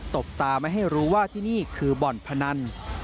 บตาไม่ให้รู้ว่าที่นี่คือบ่อนพนัน